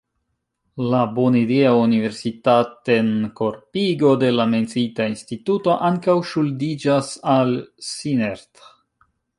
La bonidea universitatenkorpigo de la menciita instituto ankaŭ ŝuldiĝas al Sienerth.